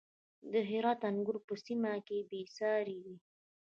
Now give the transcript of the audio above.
د هرات انګور په سیمه کې بې ساري دي.